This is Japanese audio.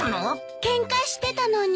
ケンカしてたのに。